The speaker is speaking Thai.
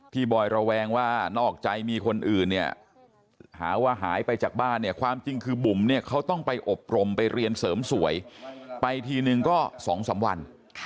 บอยระแวงว่านอกใจมีคนอื่นเนี่ยหาว่าหายไปจากบ้านเนี่ยความจริงคือบุ๋มเนี่ยเขาต้องไปอบรมไปเรียนเสริมสวยไปทีนึงก็๒๓วัน